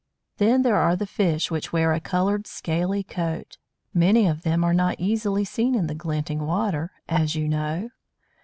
Then there are the fish which wear a coloured scaly coat. Many of them are not easily seen in the glinting water, as you know.